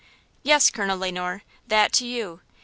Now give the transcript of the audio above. "Yes, Colonel Le Noir, that to you!